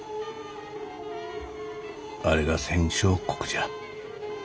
あれが戦勝国じゃ。